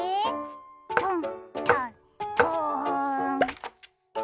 トントントーン。